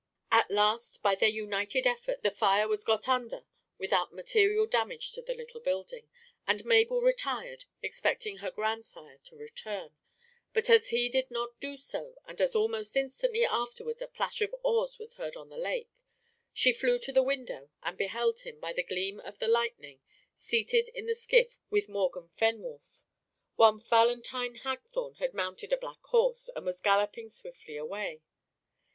At last, by their united efforts, the fire was got under without material damage to the little building, and Mabel retired, expecting her grandsire to return; but as he did not do so, and as almost instantly afterwards the plash of oars was heard en the lake, she flew to the window, and beheld him, by the gleam of the lightning, seated in the skiff with Morgan Fenwolf, while Valentine Hagthorne had mounted a black horse, and was galloping swiftly away.